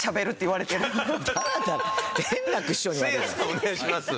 お願いします。